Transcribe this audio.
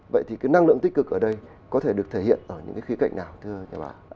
vậy thì cái năng lượng tích cực ở đây có thể được thể hiện ở những cái khía cạnh nào thưa nhà bà